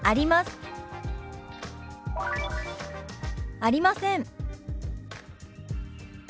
「ありません」。